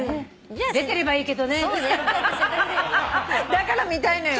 だから見たいのよ。